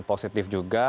ya positif juga